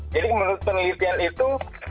jadi menurut penelitian itu